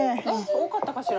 多かったかしら。